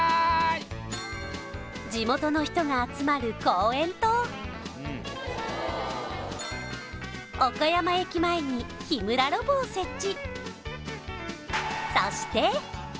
地元の人が集まる公園と岡山駅前に日村ロボを設置